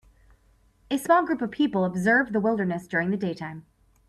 A small group of people of observe the wilderness during the daytime.